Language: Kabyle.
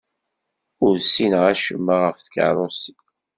Ur ssineɣ acemma ɣef tkeṛṛusin.